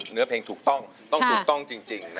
เนื้อเพลงถูกต้องต้องถูกต้องจริง